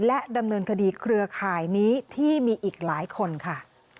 และดำเนินคดีเครือข่ายนี้ที่มีอีกหลายคนค่ะ